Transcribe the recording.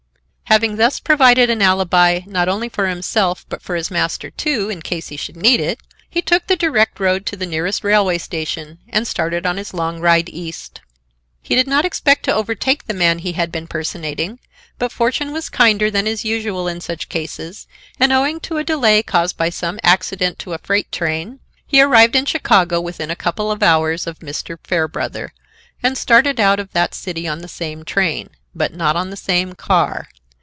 Having thus provided an alibi, not only for himself, but for his master, too, in case he should need it, he took the direct road to the nearest railway station, and started on his long ride east. He did not expect to overtake the man he had been personating, but fortune was kinder than is usual in such cases, and, owing to a delay caused by some accident to a freight train, he arrived in Chicago within a couple of hours of Mr. Fairbrother, and started out of that city on the same train. But not on the same car.